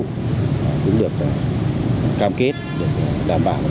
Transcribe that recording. cũng được cam kết đảm bảo